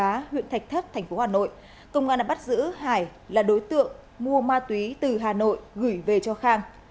công an huyện thạch thất thành phố hà nội công an đã bắt giữ hải là đối tượng mua ma túy từ hà nội gửi về cho khang